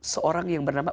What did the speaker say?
seorang yang bernama